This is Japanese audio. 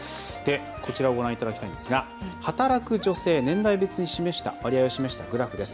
こちらをご覧いただきたいんですが働く女性、年代別の割合を示したグラフです。